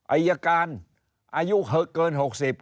ไอยกานอายุเขาเกิน๖๐